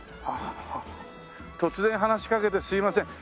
突然話しかけてすいません。